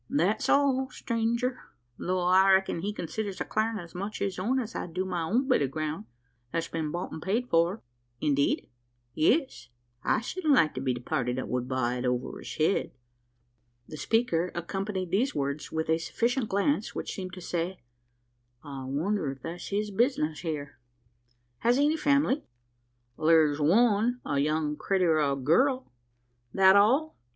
"That's all, stranger; tho' I reckon he considers the clarin' as much his own as I do my bit o' ground, that's been bought an' paid for." "Indeed?" "Yes I shedn't like to be the party that would buy it over his head." The speaker accompanied these words with a significant glance, which seemed to say, "I wonder if that's his business here." "Has he any family?" "Thar's one a young critter o' a girl." "That all?"